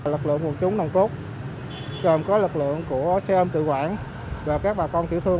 lực lượng quân chúng nông cốt cơm có lực lượng của xe ôm tự quản và các bà con thủy thương